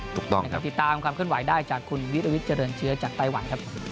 ติดตามความเคลื่อนไหวได้จากคุณวิทยาวิทย์เจริญเชื้อจากไต้หวัน